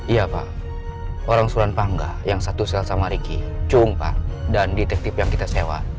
iya pak orang suran pangga yang satu sel sama riki cung pak dan detektif yang kita sewa